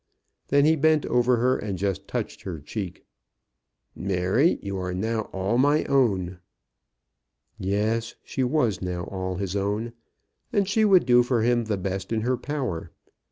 Then he bent over her, and just touched her cheek. "Mary, you are now all my own." Yes; she was now all his own, and she would do for him the best in her power.